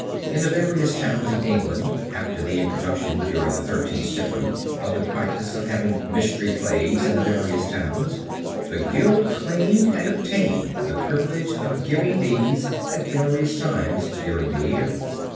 In the various towns in England, after the introduction during the Thirteenth Century of the practice of having mystery plays in the various towns, the guild claimed and obtained the privilege of giving these at various times during the year.